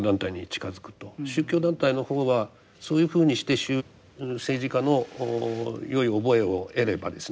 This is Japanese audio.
宗教団体の方はそういうふうにして政治家のよい覚えを得ればですね